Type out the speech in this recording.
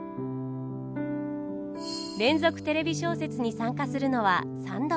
「連続テレビ小説」に参加するのは３度目。